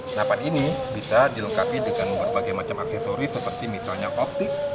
senapan ini bisa dilengkapi dengan berbagai macam aksesori seperti misalnya optik